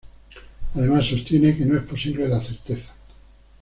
Además, sostiene que no es posible la certeza.